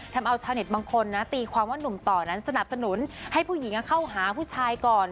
ทำเอาชาวเน็ตบางคนนะตีความว่าหนุ่มต่อนั้นสนับสนุนให้ผู้หญิงเข้าหาผู้ชายก่อน